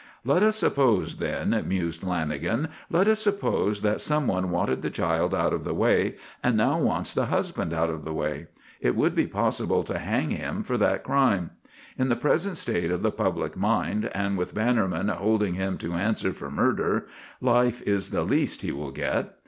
"Let us suppose, then," mused Lanagan, "let us suppose that someone wanted the child out of the way and now wants the husband out of the way. It would be possible to hang him for that crime. In the present state of the public mind, and with Bannerman holding him to answer for murder, life is the least he will get.